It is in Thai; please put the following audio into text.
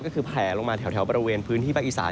ก็คือแผลลงมาแถวบริเวณพื้นที่ภาคอีสาน